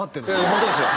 ホントですよ